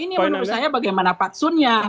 ini menurut saya bagaimana patsunnya